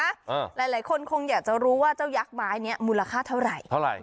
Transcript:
หลายคนคงอยากจะรู้ว่าเจ้ายักษ์ไม้เนี้ยมูลค่าเท่าไหร่เท่าไหร่